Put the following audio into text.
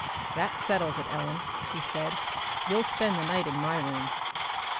"That settles it, Ellen," he said. "You'll spend the night in my room."